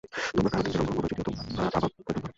তোমরা কারো থেকে ঋণ গ্রহণ করো না, যদিও তোমরা আবা পরিধান কর।